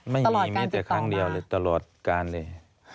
ไม่มีแม้แต่ครั้งเดียวเลยตลอดการเลย